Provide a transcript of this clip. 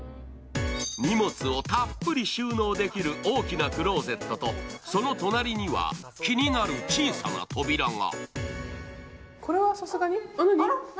荷物をたっぷり収納できる大きなクローゼットとそのとなりには気になる小さな扉が。